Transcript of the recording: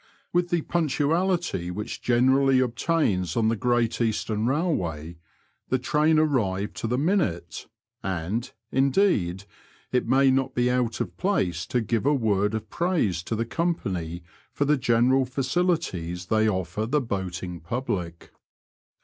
With the punctuality which geneiidly obtains on the Great Eastern Bailway, the train arrived to the minute, and, indeed, it may not be out of place to give a word of praise to the company for the general facilities they offer the boating public.